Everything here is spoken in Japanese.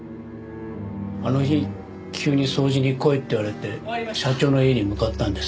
あの日急に掃除に来いって言われて社長の家に向かったんです。